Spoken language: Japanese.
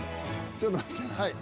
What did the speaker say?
ちょっと待って。